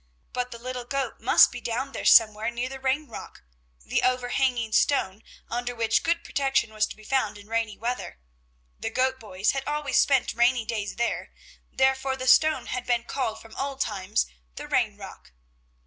But the little goat must be down there somewhere near the Rain rock, the overhanging stone under which good protection was to be found in rainy weather; the goat boys had always spent rainy days there, therefore the stone had been called from old times the Rain rock.